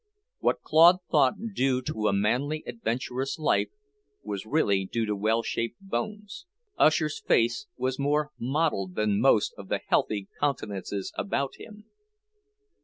What Claude thought due to a manly, adventurous life, was really due to well shaped bones; Usher's face was more "modelled" than most of the healthy countenances about him.